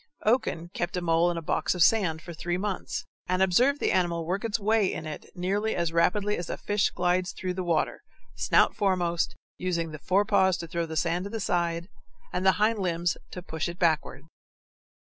Oken kept a mole in a box of sand for three months, and observed the animal work its way in it nearly as rapidly as a fish glides through the water, snout foremost, using the forepaws to throw the sand to the side and the hind limbs to push it backward.